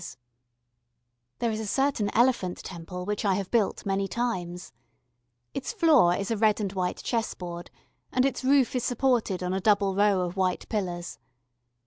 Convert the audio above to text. [Illustration: THE ELEPHANT TEMPLE.] There is a certain Elephant Temple which I have built many times. Its floor is a red and white chessboard, and its roof is supported on a double row of white pillars.